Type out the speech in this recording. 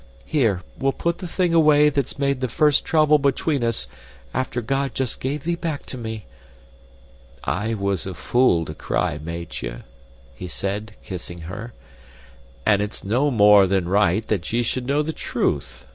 Here, we'll put the thing away that's made the first trouble between us, after God just gave thee back to me." "I was a fool to cry, Meitje," he said, kissing her, "and it's no more than right that ye should know the truth.